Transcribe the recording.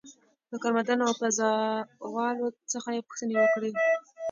له کارمندانو او پازوالو څخه یې پوښتنې وکړې.